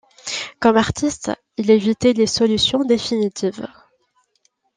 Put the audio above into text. Comme artiste, il évitait les solutions définitives.